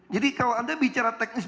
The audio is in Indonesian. jadi kalau anda bicara teknis